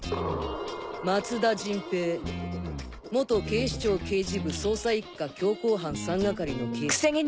松田陣平警視庁刑事部捜査一課強行犯三係の刑事